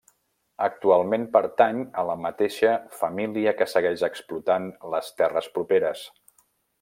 Actualment pertany a la mateixa família que segueix explotant les terres properes.